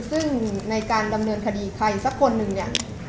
ซึ่งในการดำเนินคดีใครสักคนหนึ่งเนี่ย